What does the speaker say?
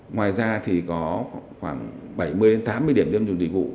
ngoài ra thì có khoảng bảy mươi tám mươi điểm tiêm chủng dịch vụ